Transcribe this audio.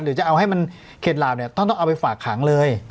หรือจะเอาให้มันเข็ดหลาบเนี่ยท่านต้องเอาไปฝากขังเลย